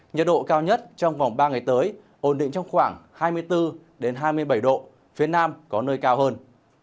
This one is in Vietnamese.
nhiệt độ cao nhất trong vòng ba ngày tới ổn định trong khoảng hai mươi bốn hai mươi bảy độ phía nam có nơi cao hơn